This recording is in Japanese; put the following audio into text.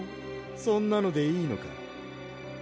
そんなのでいいのか？